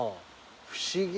不思議。